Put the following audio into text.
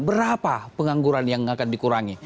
berapa pengangguran yang akan dikurangi